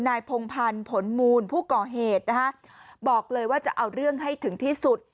พงพันธ์ผลมูลผู้ก่อเหตุนะคะบอกเลยว่าจะเอาเรื่องให้ถึงที่สุด